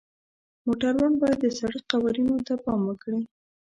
موټروان باید د سړک قوانینو ته پام وکړي.